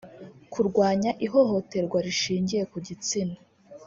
kurwanya ihohoterwa rishingiye ku gitsina